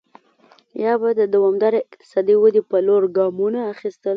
یا به د دوامدارې اقتصادي ودې په لور ګامونه اخیستل.